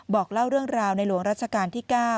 บอกเล่าเรื่องราวในหลวงรัชกาลที่๙